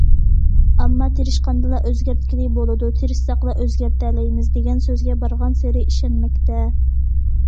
ئامما تىرىشقاندىلا ئۆزگەرتكىلى بولىدۇ، تىرىشساقلا ئۆزگەرتەلەيمىز، دېگەن سۆزگە بارغانسېرى ئىشەنمەكتە.